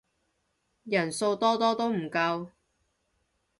人數多多都唔夠